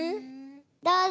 どうぞ！